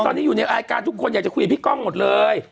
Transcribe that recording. ตอนนี้อยู่ในรายการทุกคนอยากจะคุยกับพี่ก้องหมดเลย